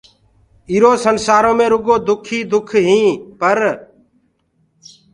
ايٚرو سنسآرو مي رُگو دُک ئي دُک ئينٚ پر